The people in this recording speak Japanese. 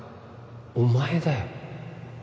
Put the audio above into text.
お前だよ